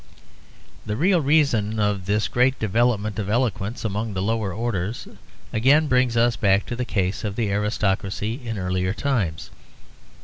The real reason of this great development of eloquence among the lower orders again brings us back to the case of the aristocracy in earlier times.